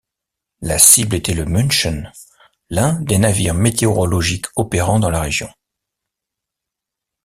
La cible était le München, l'un des navires météorologiques opérant dans la région.